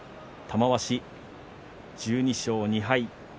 玉鷲１２勝２敗。